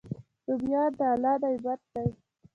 رومیان د الله نعمت دی